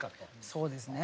そうですね。